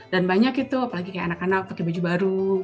dan banyak itu apalagi kayak anak anak pakai baju baru